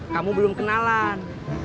kamu belum kenalan